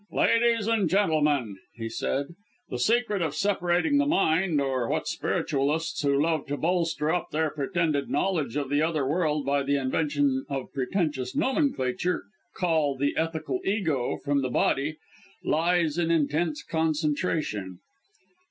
"Ladies and gentlemen," he said; "the secret of separating the mind or what Spiritualists, who love to bolster up their pretended knowledge of the other world by the invention of pretentious nomenclature, call the 'ethical ego' from the body, lies in intense concentration.